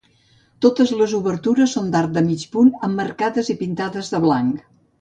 Totes les obertures són d’arc de mig punt, emmarcades i pintades de blanc.